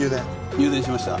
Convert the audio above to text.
入電しました。